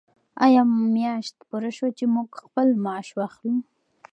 آیا میاشت پوره شوه چې موږ خپل معاش واخلو؟